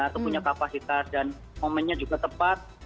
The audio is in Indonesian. atau punya kapasitas dan momennya juga tepat